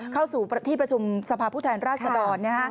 เข้าสู่ที่ประชุมสภาพผู้แทนราชดร